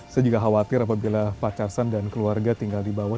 saya juga khawatir apabila pak carsan dan keluarga tinggal di bawah